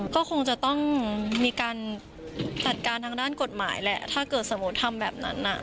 ก็คงจะต้องมีการจัดการทางด้านกฎหมายแหละถ้าเกิดสมมุติทำแบบนั้นอ่ะ